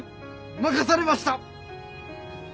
任されました！